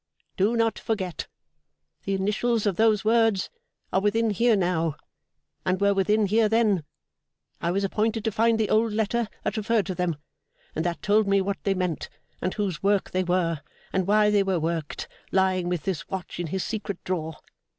"Do not forget." The initials of those words are within here now, and were within here then. I was appointed to find the old letter that referred to them, and that told me what they meant, and whose work they were, and why they were worked, lying with this watch in his secret drawer.